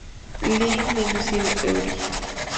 Le Mesnil-Eury